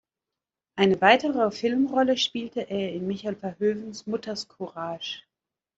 Eine weitere Filmrolle spielte er in Michael Verhoevens "Mutters Courage".